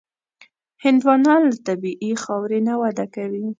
هندوانه له طبیعي خاورې نه وده کوي.